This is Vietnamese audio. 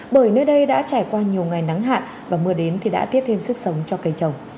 bởi nơi đây đã trải qua nhiều ngày nắng hạn và mưa đến thì đã tiếp thêm sức sống cho cây trồng